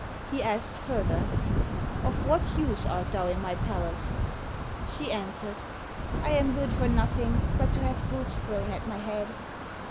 He asked further, "Of what use art thou in my palace?" She answered, "I am good for nothing but to have boots thrown at my head."